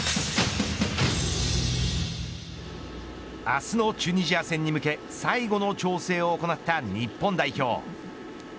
明日のチュニジア戦に向け最後の調整を行った日本代表。